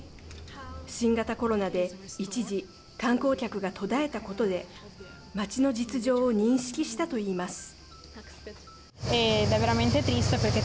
新型コロナで一時観光客が途絶えたことで街の実情を認識したといいます。